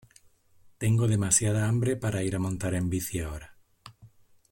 Tengo demasiada hambre para ir a montar en bici ahora.